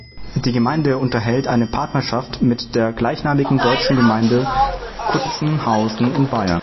Die Gemeinde unterhält eine Partnerschaft mit der gleichnamigen deutschen Gemeinde Kutzenhausen in Bayern.